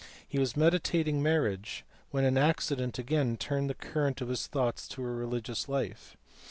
He was meditating marriage when an accident again turned the current of his thoughts to a religious life.